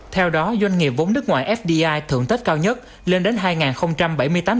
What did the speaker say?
theo đó doanh nghiệp vốn nước ngoài fdi thưởng tết cao nhất lên đến hai doanh nghiệp